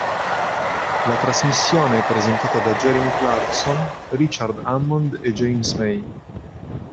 La trasmissione è presentata da Jeremy Clarkson, Richard Hammond e James May.